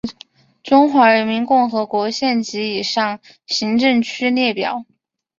中华人民共和国县级以上行政区列表